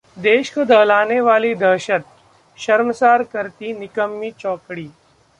देश को दहलाने वाली दहशत: शर्मसार करती निकम्मी चौकड़ी